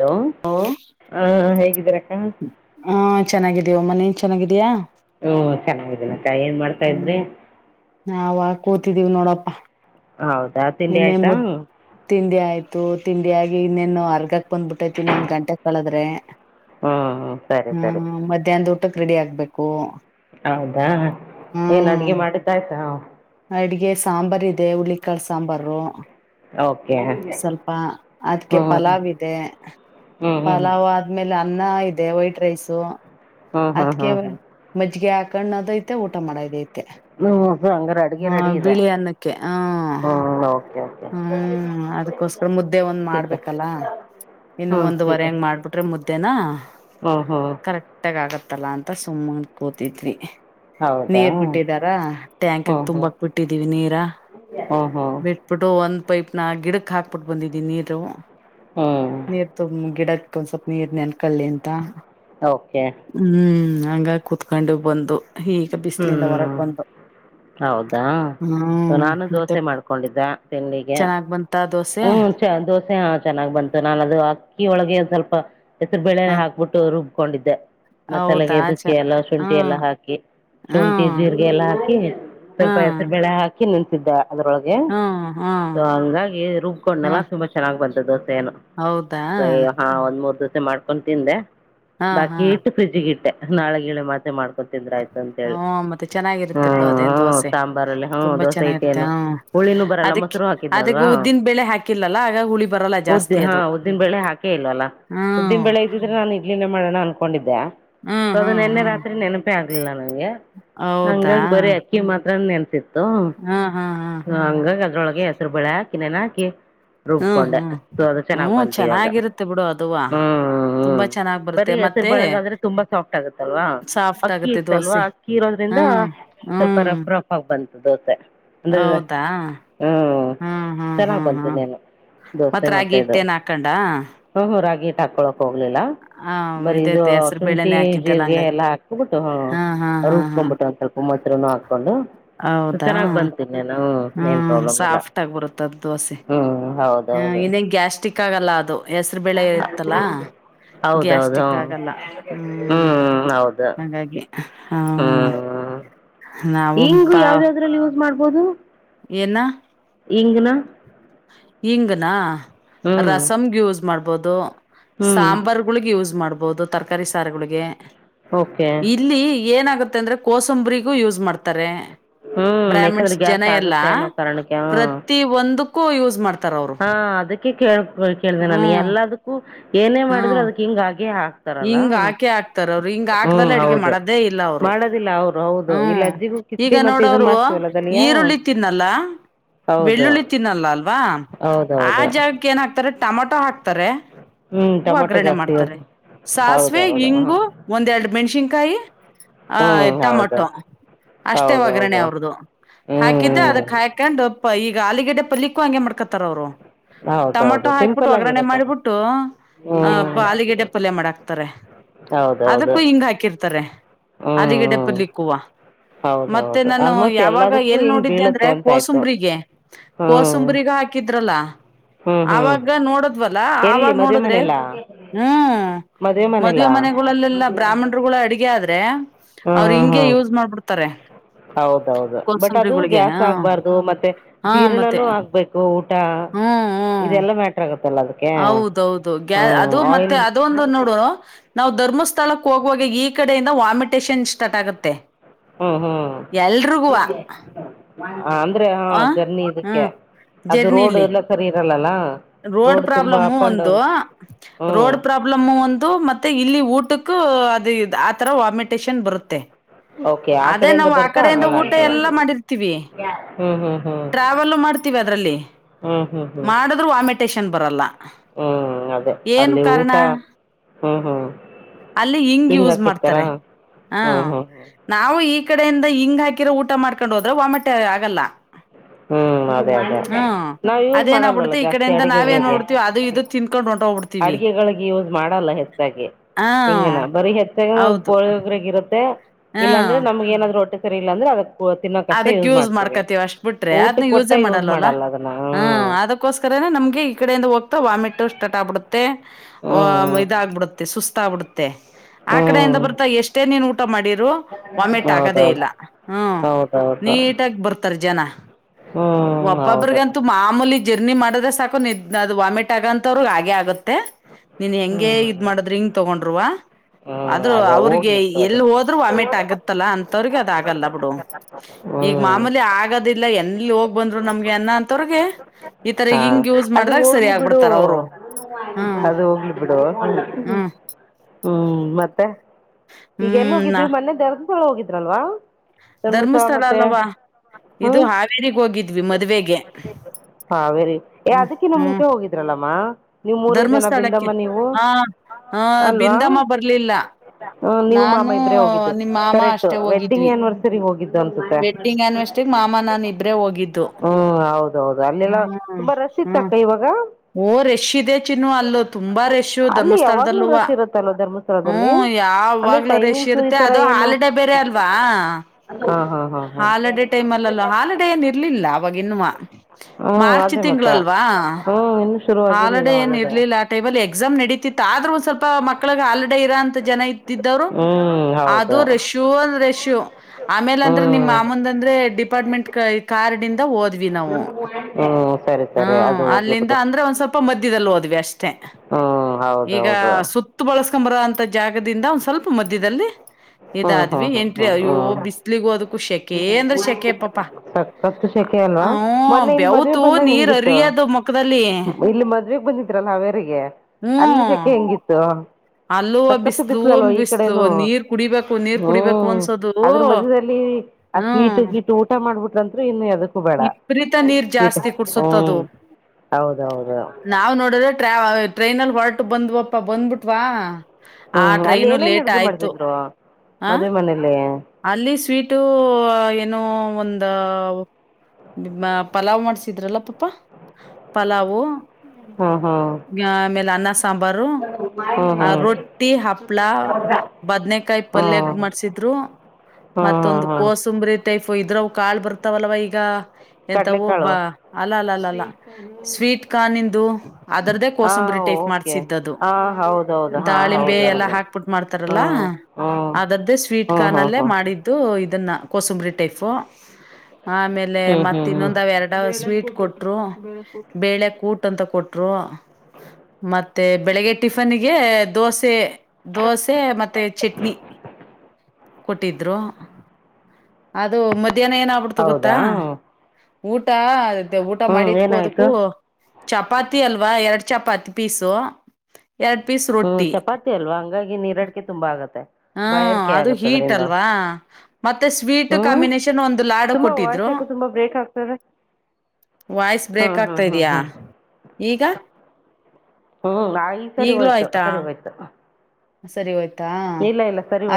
Hello ಹ ಹೇಗ ಹ ಚೆನ್ನಾಗಿದೀವ ಅಮ್ಮ ನೀನ್ ಚೆನ್ನಾಗಿದ್ಯಾಾ ಹಓ ಚೆನ್ನಾಗಿದ್ದಿನ ತಾಯಿ ಹ್ಮ್ ನ ಕೂತಿದ್ದೀವಿ ನೋಡಪ್ಪಾ ಹೌದಾ ತಿಂಡಿ ಆಯ್ತಾ ತಿಂಡಿಯಾಗಿ ಇನ್ನೇನು ಅರ್ಗಕ್ ಬಂದ್ಬಿಟ್ಟೈತಿ ಇನ್ನೊಂದ್ ಗಂಟೆ ಕಳದ್ರೆ ಹ್ಮ್ ಹ್ಮ್ ಸರಿ ಸರಿ ಕ್ ರೆಡಿ ಆಗ್ಬೇಕು ಹೌ ಹಾ ಹಾ ಏನ್ ಹ್ಮ್ ಅಡಿಗೆ ಮಾಡಿದ್ದಾಯ್ತಾ ಅಡ್ಗೆ ಸಾಂಬಾರ ಇದೆ ಹುಳ್ಳಿಕಾಳ ಸಾಂಬಾರು ಓಕೆ ಹ್ಞೂ ಸ್ವಲ್ಪ ಅದಕ್ಕೆ ಪಲಾವ್ ಹ್ಞೂ ಇದೆ ಹ್ಞೂ ಪಲಾವ್ ಆದ್ಮೇಲೆ ಅನ್ನ ಇದೆ ವೈಟ್ ರೈಸ ಹ್ಞೂ ಅದಕ್ಕೆ ಹ್ಞೂ ಹ್ಞೂ ಹ್ಞೂ ಮಜ್ಜಿಗೆ ಹಾ ಕಣ್ಣದೈತೆ ಊಟ ಮಾಡದೈತೆ ಹ್ಮ ಹ್ಮ ಬಿಳಿ ಅನ್ನಕ್ಕೆ ಹ್ಮ ಹ್ಞೂ ಓಕೆ ಓಕೆ ಹ್ಮ್ ಅದಕ್ಕೋಸ್ಕರ ಮುದ್ದೆ ಒಂದ್ ಠೀಕ ಮಾಡ್ಬೇಕಲ್ಲ ಇನ್ನು ಹ್ಞೂ ಠೀಕ ಒಂದುವರೆ ಹಂಗೆ ಮಾಡ್ಬಿಟ್ರೆ ಮುದ್ದೇನ ಹ್ಞೂ ಹ್ಞೂ ಕರೆಕ್ಟಾಗಿ ಆಗುತ್ತಲ್ಲ ಅಂತ ಸುಮ್ನೆ ಕೂತಿದ್ವಿ ಹೌದಾ ನೀರ್ ಬಿಟ್ಟಿದರ ಹ್ಞೂ ಟ್ಯಾಂಕಿಗೆ ಹ್ಞೂ ತುಂಬಕ್ ಬಿಟ್ಟಿದೀವಿ ನೀರ ಹ್ಞೂ ಹ್ಞೂ ಬಿಟ್ಟ ಒಂದ್ ಪೈಪ್ ನ ಗಿಡಕ್ ಹಾಕ್ಬಿಟ್ಟು ಬಂದಿದೀನಿ ನೀರು ಹ್ಞೂ ನೀರ್ ತು ಗಿಡಕ್ಕೆ ಒಂದ್ ಸ್ವಲ್ಪ ನೀರು ನೆನ್ಕೊಳ್ಳಿ ಅಂತ ಓಕೆ ಹ್ಮ್ ಹಂಗಾಗಿ ಕೂತ್ಕೊಂಡು ಬಂದು ಈಗ ಬಿಸಿಲಿಂದ ಹೊರಗೆ ಹ್ಞೂ ಬಂದು ಹೌದಾ ಹ್ಮ ನಾನು ಮತ್ತೆ ದೋಸೆ ತಿಂಡಿಗೆ ಚೆನ್ನಾಗ್ ಬಂತ ದೋಸೆ ಹ್ಮ್ ಚ ದೋಸೆ ಹ ಚೆನ್ನಾಗ್ ಬಂತು ನಾನ ಅದು ಅಕ್ಕಿ ಒಳಗೆ ಸ್ವಲ್ಪ ಹಾ ಹೆಸರುಬೇಳೆ ಹ ಹಾಕ್ಬಿಟ್ಟು ರು ಕೊಂಡಿದ್ದೆ ಮಸಾಲೆಗೆ ಹೌದಾ ಅದಕ್ಕೆ ಚ ಎಲ್ಲಾ ಹಾ ಶುಂಠಿ ಎಲ್ಲಾ ಹಾಕಿ ಹ್ಮ ಶುಂಠಿ ಜೀರಿಗೆ ಎಲ್ಲ ಹಾಕಿ ಸ್ವಲ್ಪ ಹಾ ಹೆಸರುಬೇಳೆ ಹಾಕಿ ನಂತೀದೆ ಅದರೊಳಗೆ ಹಾ ಹಾ ಸೊ ಹಂಗಾಗಿ ಹಾ ರುಬ್ಕೊಂಡ್ನಲ್ಲ ತುಂಬಾ ಚೆನ್ನಾಗಿ ಬಂತು ದೋಸೆನು ಹೌದಾ ಆ ಒಂದು ಮೂರು ದೋಸೆ ಮಾಡ್ಕೊಂಡು ತಿಂದೆ ಹಾ ಹಾ ಬಾಕಿ ಇಟ್ಟು ಫ್ರಿಜ್ಜಿಗೆ ಇಟ್ಟೆ ನಾಳೆ ಗಿಳೆ ಮಾತೆ ಮಾಡ್ಬೇಕ ಗೊತ್ತಿದ್ರ ಆಯ್ತು ಹ ಅಂತೇಳಿ ಮತ್ತೆ ಹ್ಮ ಚೆನ್ನಾಗಿರುತ್ತೆ ಬಿಡು ಅದೇನ್ ದೋಸೆ ಹ ಸಾಂಬಾರಲ್ಲಿ ಹ್ಮ ತುಂಬಾ ದೋಸೆ ಇಟ್ಟಿ ಚೆನ್ನಾಗಿರುತ್ತೆ ಏನು ಹ ಹುಳಿನೂ ಬರಲ್ಲ ಅದಕ್ಕೆ ಮೊಸರು ಅದಕ್ಕೆ ಹಾಕಿದ್ನಲ್ವಾ ಉದ್ದಿನ ಬೇಳೆ ಹಾಕಿಲ್ಲಲ್ಲ ಹಾಗಾಗಿ ಹುಳಿ ಬರಲ್ಲ ಉದ್ದಿ ಜಾಸ್ತಿ ಹಾ ಅದು ಉದ್ದಿನ ಬೆೇಳೆ ಹಾಕೆ ಇಲ್ವಲ್ಲಾ ಹ್ಮ್ ಉದ್ದಿನ ಬೆಳೆ ಇದ್ದಿದ್ರೆ ನಾನು ಇಡ್ಲಿನೇ ಮಾಡೋಣ ಅನ್ಕ ಹಕೊಂಡಿದ್ದೆ ಹ್ಮ್ ತದ ಹ್ಮ್ ನ ನಿನ್ನೆ ಹ್ಮ್ ರಾತ್ರಿ ನೆನಪೆ ಆಗ್ಲಿಲ್ಲ ನಂಗೆ ಹೌದಾ ಹಂಗಂಗ ಬರೀ ಅಕ್ಕಿ ಮಾತ್ರ ರನ್ನ ನೆನ್ಸತ್ತು ಹಾ ಹಾ ಹಾ ಹಂಗ ಗ ಅ್ರೊಳಗೆ ಹತ್ರರು ಬ ಬೆಳ ಕಿ ಕ್ಕೆ ಹ್ಮ್ ರುಬ್ಕೊಂಡೆ ಹ್ಮ್ ಸೊ ಅದು ಚೆನ್ನಾಗ್ ಹ್ಮ ಬಂತು ಇವಾಗ ಚೆನ್ನಾಗಿರುತ್ತೆ ಬಿಡು ಅದುವ ಹ್ಮ್ ತುಂಬಾ ಹ್ಮ್ ಚೆನ್ನಾಗ್ ಬರುತ್ತೆ ಬರಿೀ ಹೆಸರು ಮತ್ತೆ ಬಳಗಾದ್ರೆ ತುಂಬಾ ಸಾಫ್ಟ್ ಆಗತ್ತಲ್ವಾ ಸಾಫ್ಟ್ ಅಕ್ಕಿ ಆಗುತ್ತೆ ಇತ್ತಲ್ವಾ ದೋಸೆ ಅಕ್ಕಿ ಇರೋದ್ರಿಂದ ಹ್ಮ್ ಸ್ವಲ್ಪ ಹ್ಮ್ ರಫ್ ರಫ್ ಆಗ ಬಂತು ದೋಸೆ ಅಂದ ಹೌದಾ ಹ್ಮ್ ಹ್ಮ್ ಹ್ಮ್ ಹ್ಮ ಚೆನ್ನಾಗ್ ಬಂತು ಹ್ಮ ಇನ್ನೇನು ಮತ್ ರಾಗಿ ಇಟ್ಟೇನ್ ಹಾಕೊಂಡ ಹೊರಾಗಿ ಇಟ್ಾಕೊಳ್ಳೋ ಹೋಗ್ಲಿಲ್ಲ ಬರಿೀ ಇದು ಇದೈತೆ ಹೆಸರು ಶುಂಠಿ ಬೇಳೆನೆ ಹಾಕಿದ್ದಲ್ಲ ಜೀರಿಗೆ ಹಂಗಾಗಿ ಎಲ್ಲಾ ಹಾಕಬಿಟ್ಟು ಹಾ ಹಾ ಹಾ ಹಾ ರುಬ್ಕೊ್ಬಿಟ್ಟು ಒಂದ ಸ್ವಲ್ಪ ಮೊ ಕರನಾ್ ೊಂಡು ಹೌದಾ ಚೆನ್ನಾಗ್ ಬಂತೀನಿ ನಾನು ಹ್ಮ್ ಸಾಫ್ಟ್ ಆಗ ಬರುತ್ತದ್ದು ದಾಸೆ ಹ್ಮ್ ಹ್ಮ ಹೌದೌದು ಇನ್ನೇ ಗ್ಯಾಸ್ಟಿಕ್ ಆಗಲ್ಲ ಅದು ಹೆಸ್ರು ಬೆಳೆ ಇರ್ತಲ್ಲ ಹೌದೌದು ಗ್ಯಾಸ್ಟ್ರಿಕ್ ಹ್ಮ್ ಆಗಲ್ಲ ಹ್ಮ್ ಹಾಗಾಗಿ ಹ್ಮ ಹಿಂಗು ನಾವಂಪ ಯಾವ್ದ್ಯಾದ್ರಲ್ಲಿ ಇವತ್ತು ಮಾಡ್ಬೋದು ನ ಈಂಗನ ಹಂಗನಾ ಹ್ಮ್ ರಸಮ್ಗೆ ಯೂಸ್ ಮಾಡ್ಬದು ಅಬದ ಹ್ಮ್ ಸಾಂಬಾರ್ ಗಳಗ್ ಯೂಸ್ ಮಾಡ್ಬೋದು ಬಹುದು ತರಕಾರಿ ಸಾರುಗಳಿಗೆ ಓಕೆ ಇಲ್ಲಿ ಏನಾಗ ಆಗೆ ಅಂದ್ರೆ ಕೋಸಂಬರಿಗೂ ಯೂಸ್ ಮಾಡ್ತಾರೆ ಹ್ಮ್ ಯಾಕಂದ್ರೆ ಬ್ರಾಹ್ಮಿಣ್ಸ್ ಜನ ಗ್ಯಾಸ್ ಎಲ್ಲ ಆಗತ್ತೆ ಅನ್ನೋ ಕಾರಣಕ್ಕೆ ಹ ಪ್ರತಿ ಒಂದು ಯೂಸ್ ಮಾಡ್ತಾರೆ ಹಾ ಅದಕ್ಕೆ ಕೇಳ್ ಕೇಳ್ದ ನಾನು ಹ್ಮ್ ಎಲ್ಲದಕ್ಕೂ. ಏನೇ ಮಾಡಿದ್ರು ಅದಕ್ ಹಿಂಗ ಹಾಗೆ ಹಿಂಗ್ ಹಾಕೆ ಹಾಕ್ತಾರ ಅವರು ಹಿಂಗ್ ಹಾಕ್ದಲ್ಲ ಅಡಗೆ ಹೌದು ಮಾಡದೇ ಇಲ್ಲ ಅವರು ಮಾಡೋದಿಲ್ಲ ಅವರು ಹೌದು ಇಲ್ಲ ಹ್ಮ್ ಅಜ್ಜಿಗೂ ಕಿಚಡಿ ಈಗ ಮತ್ತೆ ನೋಡ ಇದನ್ ಅವರು ಮಾಡ್ತೀವಲ್ಲ ದಲಿಯಾ ಈರುಳ್ಳಿ ತಿನ್ನಲ್ಲ ಹೌದು ಬೆಳ್ಳುಳ್ಳಿ ತಿನ್ನಲ್ಲ ಅಲ್ವಾ. [unintelligible] ಆ ಹೌದೌದು ಜಾಗಕ್ಕೆ ಏನ್ ಹಾಕ್ತಾರೆ ಟಮಟ ಹಕಿ [unintelligible] ಹ್ಮ್ ಟೊಮಾಟೊ ಜಾಸ್ತಿ ಅ [unintelligible] ಸಾಸಿವೆ ಇಂಗು ಒಂದೆರಡು ಮೆಣಸಿನ್ಕಾಯಿ ಆ ಹ್ಮ್ ಹೌದು ಟಮಟೊ ಅಷ್ಟೇ ಒಗ್ಗರಣೆ ಹೌದೌದು ಅವ್ರದದು ಹಾಕಿದ್ದ ಹ್ಮ್ ಅದಕ್ ಹಾಕೊಂಡ್. ಪ್ಪ ಈಗ ಆಲಗಡ್ಡೆ ಪಲಿಕ್ಕೂ ಹಂಗೆ ಮಾಡ್ಕತಾರ ಅವ್ರು. ಹೌದೌದು ಟಮಾಟೊ ಹಾಕ್ಬಿಟ್ಟು ಸಿಂಪಲ್ ಒಗ್ಗರಣೆ ಆಗಿರತ್ತ ಅದು ಮಾಡಿಬಿಟ್ಟು ಹ್ಮ್ ಆಲೂಗೆಡ್ಡೆ. ಮಾಡತ ಹೌದೌದು ಅದಕ್ಕೂ ಹಿಂಗ ಹಾಕಿರ್ತಾರೆ ಹ್ಮ್ ಆಲೂಗಡ್ಡೆ ಹ್ಮ್ ಪಲ್ಯಕೂವೆ ಮತ್ತೆ ಹೌದೌದು ನಾನು ಆಲ್ಮೋಸ್ಟ್ ಯಾವಾಗ ಎಲ್ಲದಕ್ಕೂ ಎಲ್ಲಿ ಹಿಂಗ್ ನೋಡಿದ್ದೆ ಅಂದ್ರೆ ಬೀಳುತ್ತೆ ಅಂತ ಆಯ್ತು ಕೋಸುಂಬ್ರಿಗೆ ಹ್ಮ್ ಕೋಸುಂಬ್ರಗ ಹಾಕಿದ ಇದ್ರಲ್ಲ [unintelligible] ಹ್ಮ್ ಹ್ಮ್ ಆವಾಗ ನೋಡದ್ವಲ್ಲ ಎಲ್ಲಿ ಆವಾಗ ಮದುವೆ ನೋಡದ್ರೆ ಮನೆಲ್ಲಾ ಹ್ಮ್ ಮದುವೆ ಮನೆಗಳಲ್ಲೆಲ್ಲಾ ಬ್ರಾಹ್ಮಣರುಗಳು ಅಡಗೆ ಆದ್ರೆ ಹ್ಮ್ ಅವರು ಹ್ಮ್ ಹಿಂಗಗೆ ಹ್ಮ್ ಯೂಸ್ ಮಾಡ್ಬಿಡ್ತಾರೆ. [unintelligible] ಹೌದೌದು ಬಟ್ ಅದು ಕೋಸಂಬ್ರಿಗಳಿಗೆ ಹ ಗ್ಯಾಸ್ ಆಗ್ಬಾರ್ದು ಮತ್ತೆ ಹಾ ಮತ್ತೆ ಜೀರ್ಣನೂ ಆಗ್ಬೇಕು ಊಟ ಹ್ಮ್ ಹ್ಮ್ ಇದೆಲ್ಲ ಮ್ಯಾಟ್ರ ಆಗತ್ತಲ್ಲ ಅದಕ್ಕೆ ಹ ಆಯಿಲ್ ಒ [unintelligible] ನೋಡೋಣ ನಾವು ಧರ್ಮಸ್ಥಳಕ್ಕೆ ಹೋಗುವಾಗ ಈ ಕಡೆಯಿಂದ ಒಮೆನ್ಟೇಶನ್ ಸ್ಟಾರ್ಟ್ ಆಗುತ್ತದೆ. [unintelligible] ಹ್ಮ್ ಹ್ಮ್ ಎಲ್ರುಗುವ. ಅಂದ್ರೆ ಆ ಜರ್ನಿ ಇದಕ್ಕೆ ಅದು ರೋಡ್ ಜರ್ನಿಲಿ ಎಲ್ಲ ಸರಿ. [unintelligible] ರೋಡ್ ತುಂಬಾ ಪ್ರಾಬ್ಲಮ್ ಅಪ್ ಅಂಡ್ ಒಂದು, ಡೌನ್ ಹ್ಮ್ ರೋಡ್ ಪ್ರಾಬ್ಲಮ್ ಒಂದು ಮತ್ತು ಇಲ್ಲಿ ಊಟುಕ್ಕು ಈ ತರ ವಾಮಿಟೇಶನ್ ಬರುತ್ತೆ ಓಕೆ [unintelligible] ಆ ಅದೇ ಕಡೆಯಿಂದ ನಾವು ಆ ಬರ್ತಾ ಕಡೆ ಇಂದ ಆಗಲ್ಲ ಊಟ ಅಂತ ಎಲ್ಲ ಮಾಡಿರ್ತೀವಿ ಹ್ಮ್ ಹ್ಮ್ [unintelligible] ಹ್ಮ್ ಟ್ರಾವೆಲ್ ಮಾಡ್ತೀವಿ ಅದ್ರಲ್ಲಿ ಹ್ಮ್ [unintelligible] ಹ್ಮ್ ಹ್ಮ್ ಮಾಡು ವಾಮಿಟೇಶನ್ ಬರಲ್ಲ [unintelligible] ಹ್ಮ್ ಅದೇ ಏನ್ ಅಲ್ಲಿ ಕಾರಣ ಊಟ [unintelligible] ಹ್ಮ್ ಹ್ಮ್ ಅಲ್ಲಿ ಇಂಗ್ ಹಿಂಗ್ ಯೂಸ್ ಹಾಕಿರ್ತಾರ ಮಾಡ್ತಾರೆ ಹಾ ಹ್ಮ್ ಹ್ಮ್ ಹ್ಮ್ ನಾವು ಇ ಈ ಕಡೆಯಿಂದ ಇಂಗ್ ಆಗ್ತಿರೋ ಊಟ ಮಾಡ್ಕೊಂಡ್ ಹೋದ್ರೆ ವಾಮಿಂಟೇ ಆಗಲ್ಲ ಹು ಅದದೆ ಹ್ಮ್ ನಾವು ಯೂಸ್ ಮಾಡಲ್ವಲ್ಲ ಅದೇನಾಗ್ಬಿಡುತ್ತೆ ಈ ಜಾಸ್ತಿ [unintelligible] ಕಡೆಯಿಂದ ನಾವೇನ್ ಮಾಡ್ಬಿಡ್ತೀವಿ ಅದು ಇದು ತಿನ್ಕೊಂಡ್ ಹೊಂಟೋಗ್ಬಿಡ್ತೀವಿ ಅಡಿಗೆಗಳಿಗೆ ಯೂಸ್ ಮಾಡಲ್ಲ ಹೆಚ್ಚಾಗಿ ಹಾ ಇಂಗ್ನ ಬರಿ ಹೆಚ್ಚಾಗಿ ಒಂದು ಹೌದು ಪುಳಿಯೋಗರೆಗೆ [unintelligible] [unintelligible] ಹಾ ಇಲ್ಲಾಂದ್ರೆ ನಮಗೇನು ಹೊಟ್ಟೆ [unintelligible] ಇಲ್ಲಾಂದ್ರೆ ಅದಕ್ ಯುಜ್ ಮಾಡ್ಕತಿವ್ ರೆ ಅದ್ನ ಊಟಕ್ಕೆ ಯುಜ್ ಒಟ್ಟು ಯೂಸ್ ಮಾಡಲ್ವಲ್ಲ ಮಾಡಲ್ಲ ಅದನ್ನು ಹ್ಞೂ ಹ್ಮ್ಮ್ ಅದುಕ್ ಕೊಸ್ಕರ್ ಇಲ್ಲಾಂದ್ರೆ ನಮಗೆ ಈಕಡೆ ಇಂದ ಹೋಗ್ತಾ ವಾಮಿಟ್ ಸ್ಟಾರ್ಟ್ ಆಗಬಡೇತ್ ಇದಾಗ ಬಿಡತೀನಿ ಸುಸ್ತ್ ತಬಿಡ್ತ್ ಹ್ಞೂ ಆಕಡೆ ಇಂದ ಹ್ಞೂ ಬರ್ತಾ ಎಷ್ಟೇ ನಿನ್ [unintelligible] ರು ವಾಮಿಟ್ ಆಗದೆ ಹೌದೌದು ಇಲ್ಲ ಹು ಹೌದೌದು ನೀಟಾಗ್ ಬರ್ತ್ ರ್ ಜನ ಹ್ಞೂ ಒಬ್ಬ್ ಒಬ್ಬರ್ ಹೌದು ಗಂತೂ ಮಾಮೂಲಿ ಜರ್ನಿ ಮಾಡುದ್ರೆ ಸಾಕು ನಿದ್ ಅದು ವಾಮಿಟ್ ಆಗೋ ಅಂತೋರುಗ್ ಆಗೇ ಆಗು ನೀ ಹ್ಞೂ ಎಂಗೆ ಇಂದ್ ಹ್ಞೂ ಮಾಡುದ್ರು ರೋವಾ ಆದ್ರೂ ಅದೇ ಹೋಗ್ಲಿ ಅವವ್ರಿಗೆ ಬಿಡು ಅದು ಯಲ್ ಹೋದ್ರು ವಾಮಿಟ್ ಅಗತಲ್ಲ ಅಂತೋರಿಗೆ ಅದಾಗಲ್ಲ ಬುಡು ಹ್ಞೂ ಈಗ್ ಮಾಮೂಲಿ ಆಗದಿಲ್ ಎಲ್ಲಿ ಹೋಗ್ ಬಂದ್ರು ನಮ್ಗೆ ಅನ್ನ ಅಂತವ್ರಿಗೆ ಈ ತರ ಹಾ ಹಿಂಗ್ ಯೂಸ್ ಅದು ಮಾಡ್ದಾಗ ಸರಿ ಹೋಗ್ಲಿ ಬಿಡು ಆಗ್ಬಿಡ್ತಾರ ಅವರು ಹ್ಮ್ ಅದು ಹೋಗ್ಲಿ ಬಿಡು ಹ್ಮ್ ಹ್ಮ್ ಮತ್ತೆ ಈಗೆಲ್ಲ ಹ್ಮ್ ನಾ ಹೋಗಿದ್ವಿ ಮೊನ್ನೆ ಧರ್ಮಸ್ ಹೋಗಿದ್ರಲ್ವಾ ಧರ್ಮಸ್ಥಳ ಅಲ್ಲವಾ ಹ್ಞೂ ಇದು ಹಾವೇರಿ ಹೋಗಿದ್ವಿ ಮದ್ವೆೆಗೆ ಹಾವೇರಿ ಏ ಅದಕ್ಕಿನ್ನ ಮುಂಚೆ ಹೋಗಿದ್ರಲ್ಲಮ್ಮ ನೀವು್ ಮೂರ ಜನ ಧರ್ಮಸ್ಥಳಕ್ಕೆ ಬಿಂದಮ್ಮ ನೀವು ಹಾ ಹ ಅಲ್ವಾ ಬಿಂದಮ್ಮ ಬರ್ಲಿಲ್ಲ ಹ ನೀವು ನಾನು ಮಾಮ ಇಬ್ರೇ ಹೋಗಿದ್ದು ನಿಮ್ ಮಾಮ ಕರೆಟ್ ಅಷ್ಟೇ ವೆಡ್ಡಿಂಗ್ ಹೋಗಿದ್ವಿ ಆನಿವರ್ಸರಿ ಹೋಗಿದ್ದು ಅನ್ಸುತ್ತೆ ವೆಡ್ಡಿಂಗ್ ಆನಿವರ್ಸರಿಗ್ ಮಾಮ ನಾನ್ ಹ್ಮ ಹೌದೌದು ಅರ್ಥ್ ಹ್ಮ ಹ್ಮ ಓ ರಶ್ ಇತ್ ಇದೇ ಚಿನ್ನು ಅಲ್ಲ ತುಂಬಾ ರಶ್ ಅಲ್ಲಿ ಯಾವಾಗಲೂ ಧರ್ಮಸ್ಥಳದಲ್ಲೂ ರಶ್ ಇರುತ್ತಲ್ವ ಧರ್ಮಸ್ಥಳದಲ್ಲಿ ಹ್ಮ್ ಅಂದರೆ ಯಾವಾಗ್ಲೂ ರೆಷ್ ಟೈಮಿಂಗ್ಸು ಈ ಇರುತ್ತೆ ಥರ ಅದು ಏನು ಹಾಲಿಡೇ ಬೇರೆ ಅಲ್ವಾ ಹಾಂ ಹಾಂ ಹಾಂ ಹಾಂ ಹಾಲಿಡೆ ಟೈಮ್ ಅಲ್ಲಲ್ಲ ಹಾಲಿಡೇ ಏನ್ ಇರ್ಲಿಲ್ಲ ಅವಾಗ ಇನ್ನುವ [inaudible] ಹ್ಮ್ ಮಾರ್ಚ್ ಅದೇ ಮತ್ತೆ ತಿಂಗಳಲ್ವಾ ಹ್ಮ್ ಇನ್ನು ಶುರು ಹಾಲಿಡೇ ಆಗಿರ್ಲಿಲ್ಲ ಏನ್ ಇರ್ಲಿಲ್ಲ ಟೈವಲ್ಲಿ ಎಕ್ಸಾಮ್ ನಡೀತಿತ್ತು ಆದ್ರೂ ಒಂದು ಸ್ವಲ್ಪ ಮಕ್ಕಳಿಗೆ ಹಾಲ ಇರೋಂತ ಜನ ಇದ್ದಿದ್ದವರು ಹ್ಮ್ ಅದು ಹೌದು ರೆಶ್ಯ ರೆಶ್ಯೂ ಆಮೇಲೆ ಅಂತ [inaudible] ಅಂದ್ರೆ ನಿಮ್ಮ ಹ್ಮ್ ಮಾಮಾನಂದು ಅಂದ್ರೆ ಡಿಪಾರ್ಟ್ಮೆಂಟ್ ಕಾರನಿಂದ ಹೋದ್ವಿ ನಾವು ಹ್ಮ್ ಸರಿ ಹ್ಮ ಸರಿ ಅದು ಹೋಗ್ಲಿ ಅಲ್ಲಿಂದ ಬಿಡು ಅಂದ್ರೆ ಒಂದ್ ಸ್ವಲ್ಪ ಮಧ್ಯ್ಯದದಲ್ಲಿೂ ಹೋದ್ವಿ ಅಷ್ಟೇ ಹ್ಮ್ ಈಗ ಹೌದೌದು ಸುತ್ತು ಬಳಸ ಕಮರ ಅಂತ ಜಾಗದಿಂದ ಒಂದ್ ಸ್ವಲ್ಪ ಮಧ್ಯದಲ್ಲಿ ಇದಾದ್ವಿ ಎಂಟ್ರಿ ಅಯ್ಯೋ ಬಿಸಲಿಗೂ ಅದಕ್ಕೂ ಶೆಕೆ ಅಂದ್ರೆ ಶೆಕೆ ಪಾಪ ಸಕತ್ ಶೆಕೆ ಅಲ್ವಾ ಹ್ಮ ಮೊನ್ನೆ ಇಲ್ಲಿ ಮದವೆ ಬೆವತು ಬಂದ್ರ ನೀರ್ ಹೆಂಗಿತ್ತು ಅರಿಯೋದು ಮುಖದಲ್ಲಿ ಇಲ್ಲಿ ಮದ್ವೆಗ್ ಬಂದಿದ್ರಲ್ಲ ಹಾವೇರಿಗೆ ಅಲ್ಲ ಹ್ಮ್ ಶೆಕೆ ಹೆಂಗಿತ್ತು ಅಲ್ಲೂ ಸಕ್ಕತ್ತು ಬಿಸ್ಲು ಬಿಸ್ಲಲ್ವಾ ಈ ಬಿಸ್ಲು ಕಡೆನು ನೀರ್ ಕುಡಿಬೇಕು ನೀರ್ ಕುಡಿಬೇಕು ಹ್ಮ್ ಅನ್ಸದು ಅದ್ರ ಮಧ್ಯದಲ್ಲಿ ಆ ಸ್ವೀಟು ಹ್ಮ್ ಗೀಟು ಊಟ ಮಾಡ್ಬಿಟ್ರಂತ್ರು ಇನ್ನು ಎದಕ್ಕೂ ಬೇಡ ವಿಪ್ರೀತ ನೀರ್ ಸ್ವೀಟ್ ಜಾಸ್ತಿ ಕುಡ್ಸುತ್ತದು ಹ್ಮ್ ಹೌದೌದು ನಾವ್ ನೋಡಿದ್ರೆ ಟ್ರೈನ್ನಲೇ ಹೊರಟು ಬಂದ್ವಪ್ಪ ಬಂದ್ಬಿಟ್ಟು ವಾ ಹ್ಮ್ ಅಲ್ಲಿ ಏನೇನು ಅಡುಗೆ ಮಾಡ್ತಿದ್ರು ಮದುವೆ ಮನೇೆಯಲ್ಲಿ ಇಟ್ಟು ಏನೋ ಒಂದ ಪಲಾವ್ ಮಾಡ್ಸಿದ್ರಲ್ಲ ಪಾಪಾ ಪಲಾವ್ ಹ್ಮ್ ಹ್ಮ್ ಯ ಮೇಲಾನಾ ಸಾಂಬಾರು ಹ್ಮ್ ಹ್ಮ್ ಆ ಹ್ಮ್ ರೊಟ್ಟಿ ಹಪ್ಲ ಬದ್ನೆೇಕಾಯಿ ಪಲ್ಯ ಹ್ಮ್ ಮಾಡ್ಸಿದ್ರು ಹ್ಮ್ ಮತ್ತೊಂದು ಹ್ಮ್ ಕೋಸುಂಬರಿಿ ಟೈಪ್ ಇತ್ತು ಇದ್ರವು ಕಾಳು ಬರ್ತಾವಲ್ವ ಈಗ ಎಂತ ಕಡ್ಲೆಕಾಳು ಒಬ್ಬಾ ಅಲ್ಲ ಅಲ್ಲ ಅಲ್ಲ ಸ್ವೀಟಿಕಾರ್ನ್ ಇಂದು ಅದ್ರದ್ದೇ ಹಾ ಕೋಸಂಬರಿ ಟೇಫ್ ಓಕೆ ಮಾಡ್ಸಿದ್ದ್ದು ಹಾ ಹೌದೌದು ಹಾ ದಾಳಿಂಬೆ ಎಲ್ಲಾ ಹೌದೌದು ಹಾಕ್ಬಿಟ್ಟು ಮಾಡ್ತಾರಲ್ಲಾ ಹ್ಮ್ ಹ್ಮ್ ಅದದ್ದೇ ಸ್ವೀಟ್ ಕ ಹ್ಮ್ ಹ್ಮ್ ಹ್ಮ್ ನಲ್ಲೇ ಹ್ಮ್ ಮಾಡಿದ್ದು ಇದನ್ನ ಕೋಸಂಬರಿ ಟೈಪ್ ಆಮೇಲೆ ಮತ್ತ ಹ್ಮ್ ಹ್ಮ್ ಇನ್ನೊಂದ ಎರಡ ಸ್ವೀಟ್ ಕೊಟ್ಟರು ಬೇಳೆ ಕೂಟ್ ಅಂತ ಕೊಟ್ಟರು ಮತ್ತೆ ಬೆಳಗ್ಗೆ ಟಿಫನ್ಗೆ ದೋಸೆ ದೋಸೆ ಮತ್ತೆ ಚಟ್ನಿ ಕೊಟ್ಟಿದ್ರು ಅದು ಮ ಮಧ್ಯಾಹ್ನ ಎನ್ ಆಗಿಬಿಟ್ಟತು ಗೊತ್ತಾ ಹೌದಾ ಹಊಟ್ [inaudible] ತ್ತಾ ಅ ಊಟ ಹ್ಮ್ ಮಾಡಿದ್ಕೋ ಏನಾಯ್ತು ಅದಕ್ಕೂ ಚಪಾತಿ ಅಲ್ವಾ ಎರಡು ಚಪಾತಿ ಪೀಸು ಎರಡು ಪೀಸ್ ಹ್ಮ್ ರೊಟ್ಟಿ ಚಪಾತಿ ಅಲ್ವಾ ಹಂಗಾಗಿ ನೀರಡಿಕೆ ತುಂಬಾ ಆಗತ್ತೆ ಹ್ಮ ಬಾಯಾರಿಕೆ ಅದು ಆಗತ್ತ ಹೀಟ್ ಅದ್ರಿಂದ ಅಲ್ವಾ ಮತ್ತೆ ಸ್ವೀಟ್ ಹ್ಮ್ ಕಾಂಬಿನೇಷನ್ ಒಂದು ಲಾಡು ತುಂಬಾ ವಾಯ್ಸ್ ಕೊಟ್ಟಿದ್ರು ಯಾಕೋ ತುಂಬಾ ಬ್ರೇಕ್ ಆಗ್ತದೆ ವಾಯ್ಸ್ ಹ್ಮ್ ಬ್ರೇಕ್ ಹ್ಮ್ ಆಗ್ತಾ ಹ್ಮ್ ಇದ್ಯಾಾ ಹ್ಮ್ ಈಗ ಹ್ಮ್ ಅಂಗ್ ಸರಿ ಈಗ್ಲೂ ಹೋಯ್ತು ಆಯ್ತಾ ಸರಿಯೋಯ್ತ್ ಸರಿ ಹೋಯ್ತಾ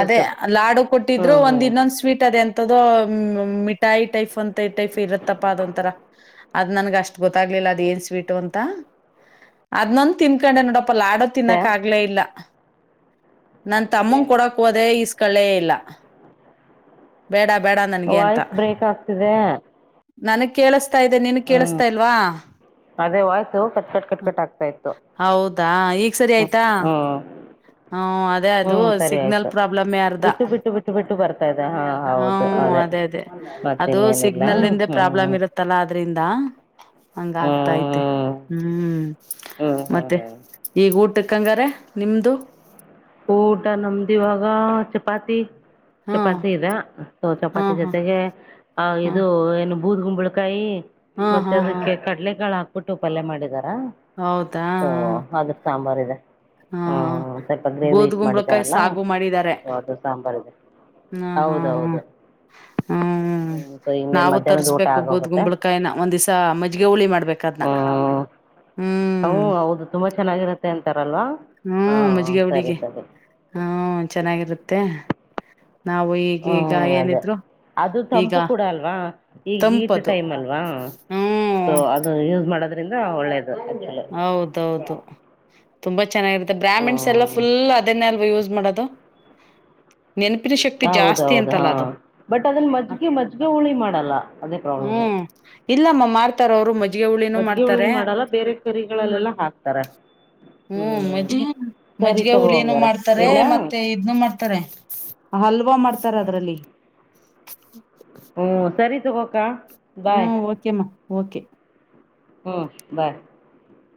ಅದೇ ಲಾಡು ಕೊಟ್ಟಿದ್ರು ಹ್ಮ್ ಒಂದ ಹ್ಮ್ ಇನ್ನೊಂದ್ ಸ್ವೀಟ್ ಅದೇ ಎಂತ್ದ ಮ ಮ್ಮ ಮಿ ಟೈ ಟೈಪ್ ಅಂತ ಈ ಟೈಪ್ ಇರತ್ತಪ್ಪಾ ಅದೊಂತರ ಅದ ನನ್ಗ ಅಷ್ಟ್ ಗೊತ್ತಾಗ್ಲಿಲ್ಲ ಅದ ಏನ್ ಸ್ವೀಟು ಅಂತ ಅದ್ನುಂದು ತಿನ್ಕೊಂಡೆ ನೋಡಪ್ ಪ ಲ ಆಡೋ ತಿನ್ನಕ್ ಆಗ್ಲೇ ಇಲ್ಲ ನನ್ ಮತ್ತೆ ತಮ್ಮನ್ ಕೊಡಕ್ ಹೋದೆ ಇಸ್ - ಕಳೇ ಇಲ್ಲ ಬೇಡಫ್ ವಾಯ್ಸ್ ಬ್ರೇಕ್ ಆಗ್ತಿದೆ ನನಗ್ ಕೇಳಸ್ತ [unintelligible] ನಿನ್ ಹ್ಮ್ ಕೇಳಿಸ್ತಾ ಇಲ್ವಾ ಅದೇ voice cut cut cut cut ಆಗ್ತಾ ಇತ್ತು ಹೌದಾ ಈಗ ಸರಿ ಹ್ಮ್ ಆಯ್ತಾ ಹ್ಮ್ ಹ್ಮ ಅದೇ ಅದು ಹ್ಮ್ ಸರಿ ಸಿಗ್ನಲ್ ಆಯ್ತು ಪ್ರಾಬ್ಲಮ್ ಯ ಅರ್ಧ ಬಿಟ್ಟು ಬಿಟ್ಟು ಬಿಟ್ಟು ಬಿಟ್ಟು ಬರ್ತಾ ಇದೆ ಹಾ ಹೌದು ಹ್ಮ ಅದೇ ಅದೇ ಅದು ಮತ್ತಿನ್ನೇನಿಲ್ಲ ಸಿಗ್ನಲ್ ಹ್ಮ್ ಯಿಂದ ಪ್ರಾಬ್ಲಮ್ ಹ್ಮ್ ಇರುತ್ತಲ್ಲ ಅ ರಿಂದ ಹಂಗ ಆಗ್ತಾ ಐತೆ ಹ್ಮ್ ಹ್ಮ್ ಹ್ಮ್ ಹ್ಮ್ ಮತ್ತೆ ಹ್ಮ್ ಈಗ ಊಟಕ್ ಕಂಗಾರೆ ನಿಮ್ದು ಊಟ ನಮ್ದಿವಾಗ ಚಪಾತಿ ಹಾ ಚಪಾತಿದ ಹು ಹಾ ಚಪಾತಿ ಹಾ ಜೊತೆಗೆ ಹ ಹಾ ಇದು ಏನು ಬೂದಗುಂಬಳಕಾಯಿ- ಹಾ ಮತ್ತೆ ಹಾ ಅದಕ್ಕೆ ಕಡಲೆಕಾಳ ಹಾಕ್ ಕುಟ್ಟು ಪಲ್ಲೆ ಮಾಡಿದರ್. ಹೌದ ಹಾ ಸಾಂಬಾರ್ದೆ ಹಾ ಹಾ ಬೂದ್ ಗುಂಬಳಕಾಯಿ ಮಾಡಿದ್ದಾರಲ್ಲ ಸಾಗು ಮಾಡಿದಿದ್ದಾರೆ ಸೊ ಅದು ಸಾಂಬಾರಿದೆ ಹ್ಮ ಹಾ ಹಾ ಹ್ಮ್ ಹೌದೌದು ಹ್ಮ್ ಹ್ಞೂ ಸೊ ಇನ್ನೇನು ನಾವು ಮಧ್ಯಾಹ್ನದ ಊಟ ತರ್ಸ್ಬೇಕು ಆಗೋಗುತ್ತೆ ಬೂದ್ಗುಂಬಳಕಾಯನ ಒಂದಿಸಾ ಮಜ್ಜಿಗೆ ಹುಳಿ ಮಾಡಬೇಕಾದನ್ನ ಹ ಹೌದು ತುಂಬಾ ಚೆನ್ನಾಗಿರತ್ತೆ ಅಂತಾರಲ್ವಾ ಹ್ಮ್ ಹಾಂ ಮಜ್ಜಿಗೆ ಸರಿ ಹುಳಿಗೆ ಸರಿ ಹ್ಮ ಚೆನ್ನಾಗಿರು ತ್ತೆ ಹ್ಮ ಅದೇ ಅದು ಈಗ ತಂಪು ಕೂಡ ಅಲ್ವಾ ಈಗ ಹಿಟ್ ತಂಪದು ಟೈಮ್ ಅಲ್ವಾ ಹ್ಮ್ ಸೊ ಅದು ಯೂಸ್ ಮಾಡದಕ್ ಯಿಂದ ಒಳ್ಳೆದು ಹೌದೌದು ತುಂಬ ಚೆನ್ನಾಗಿರುತ್ತೆ ಬ್ರಾಹಿಣ್ಸ್ ಎಲ್ಲ ಹ್ಮ್ ಫುಲ್ ಅದನ್ನೆ ಯೂಸ್ ಮಾಡದು ಹೌದ ಹೌದು ಹಾ ಬಟ್ ಅದನ್ನ ಮಜ್ಜಿಗೆ ಮಜ್ಜಿಗೆ ಹುಳಿ ಮಾಡಲ್ಲ ಅದೇ ಪ್ರಾಬ್ಲಮು ಹ್ಮ್ ಇಲ್ಲಮ್ಮ ಮಾಡ್ ಮಾಡತಾರ ಅವ್ರು ಮಜ್ಜಿಗೆ ಹುಳಿನೂ ಹುಳಿ ಮಾಡ್ತಾರೆ ಮಾಡಲ್ಲ ಬೇರೆ ಕರಿಗಳಲ್ಲೆಲ್ಲ ಹಾಕ್ತಾರೆ ಹ್ಮ್ ಮಜ್ ಸರಿ ಮಜ್ಿಗೆ ತಗೋ ಹುಳಿನೂ ಹಂಗಾರ ಮಾಡ್ತಾರೆ ಇಡ್ಲಾ ಮತ್ತೆ ಇದ್ನ್ನು ಮಾಡ್ತಾರೆ ಹಲ್ವಾ ಮಾಡ್ತಾರೆ ಅದ್ರಲ್ಲಿ [inaudible] ಹ್ಮ ಸರಿ [unintelligible] ಗಕ ಹ್ಮ ಓಕೆಮ್ಮ ಓಕೆ ಹ್ಮ್ ಬಾಯ್